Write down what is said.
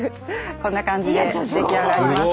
こんな感じで出来上がりました。